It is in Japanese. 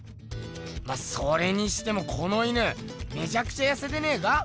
まっそれにしてもこの犬めちゃくちゃやせてねぇか？